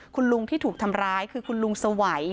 คุณลุงที่ถูกทำร้ายคือคุณลุงสวัย